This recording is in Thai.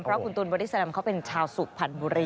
เพราะคุณตูนบอดี้แลมเขาเป็นชาวสุพรรณบุรี